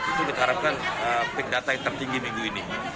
itu diharapkan peak data yang tertinggi minggu ini